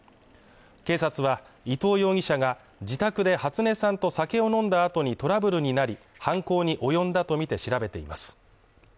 警察は伊藤容疑者が自宅で初音さんと酒を飲んだ後にトラブルになり、犯行に及んだとみて調べています。